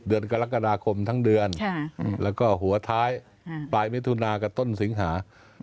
เดือนกรกฎาคมทั้งเดือนแล้วก็หัวท้ายปลายมิถุนากับต้นสิงหา